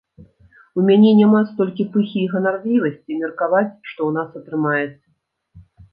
У мяне няма столькі пыхі і ганарлівасці меркаваць, што ў нас атрымаецца.